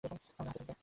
আমাদের হাতে থাকবে।